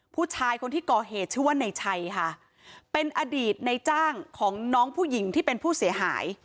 ผู้ชายคนที่ก่อเหตุชื่อว่าในชัยค่ะเป็นอดีตในจ้างของน้องผู้หญิงที่เป็นผู้เสียหาย